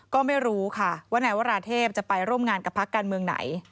ก็ไม่รู้ค่ะว่านายวราเทพจะไปร่วมงานกับพักการเมืองไหน